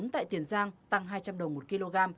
tại tiền giang tăng hai trăm linh đồng một kg